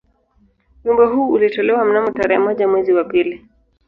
Wimbo huu ulitolewa mnamo tarehe moja mwezi wa pili